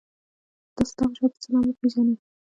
تاسو دغه شی په څه نامه پيژنی؟